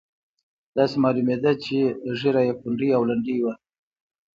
داسې معلومېده چې ږیره یې کونډۍ او لنډۍ وه.